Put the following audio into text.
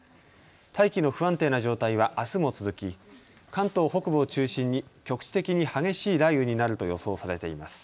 大気の不安定な状態はあすも続き、関東北部を中心に局地的に激しい雷雨になると予想されています。